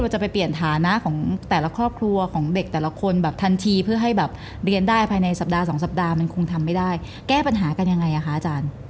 ผมจริงก็ต้องขอบคุณมหาลัยมหาลัยธรรมาศาสตร์